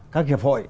các nghiệp hội